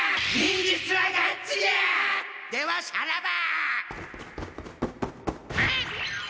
ではさらば！